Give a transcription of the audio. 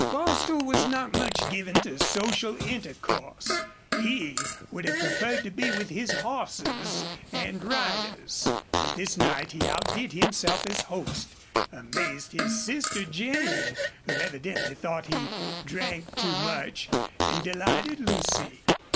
Bostil was not much given to social intercourse he would have preferred to be with his horses and riders but this night he outdid himself as host, amazed his sister Jane, who evidently thought he drank too much, and delighted Lucy.